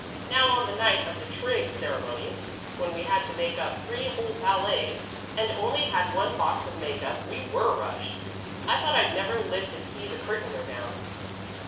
Now, on the night of the Trig. ceremonies, when we had to make up three whole ballets and only had one box of make up, we were rushed. I thought I'd never live to see the curtain go down.